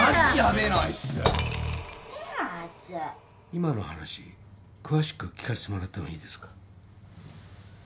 今の話詳しく聞かせてもらってもいいですか？